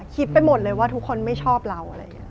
คิดไปหมดเลยว่าทุกคนไม่ชอบเรา